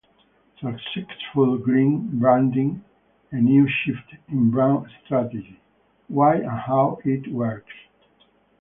Successful Green Branding, a New Shift in Brand Strategy: Why and how it works.